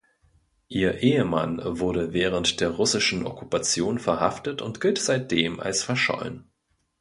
Ihr Ehemann wurde während der russischen Okkupation verhaftet und gilt seitdem als verschollen.